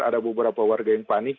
ada beberapa warga yang panik